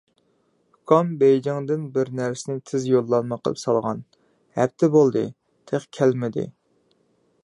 ئۇكام بېيجىڭدىن بىر نەرسىنى تېز يوللانما قىلىپ سالغان. ھەپتە بولدى، تېخى كەلمىدى.